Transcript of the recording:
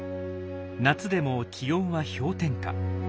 夏でも気温は氷点下。